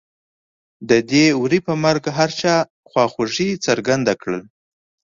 د دې وري په مرګ هر چا خواخوږي څرګنده کړله.